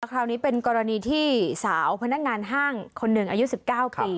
คราวนี้เป็นกรณีที่สาวพนักงานห้างคนหนึ่งอายุ๑๙ปี